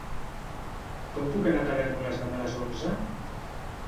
Com puc anar a Tavèrnoles demà a les onze?